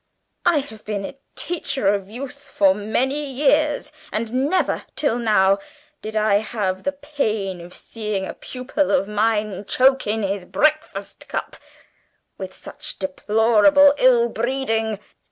I have been a teacher of youth for many years, and never till now did I have the pain of seeing a pupil of mine choke in his breakfast cup with such deplorable ill breeding.